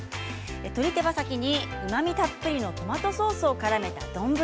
鶏手羽先にうまみたっぷりのトマトソースをからめた丼。